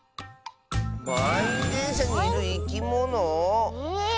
まんいんでんしゃにいるいきもの？え？